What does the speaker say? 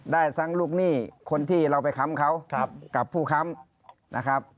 ได้ทั้งลูกหนี้คนที่เราไปค้ำเขากับผู้ค้ำนะครับ